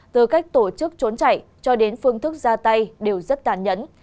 từ cách tổ chức trốn chạy cho đến phương thức ra tay đều rất tàn nhẫn